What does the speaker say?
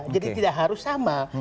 jadi tidak harus sama